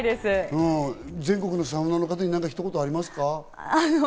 全国のサウナーの方にひと言ありますか？